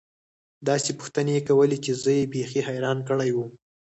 داسې پوښتنې يې کولې چې زه يې بيخي حيران کړى وم.